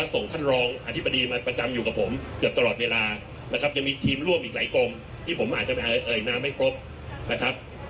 ส่งท่านรองอธิบดีมาประจำอยู่กับผมเกือบตลอดเวลานะครับยังมีทีมร่วมอีกหลายกรมที่ผมอาจจะเอ่ยนามไม่ครบนะครับ